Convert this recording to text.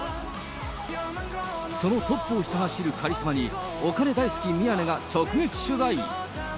そのトップをひた走るカリスマに、お金大好き宮根が直撃取材。